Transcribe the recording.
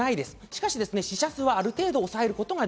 しかし死者数はある程度抑えることが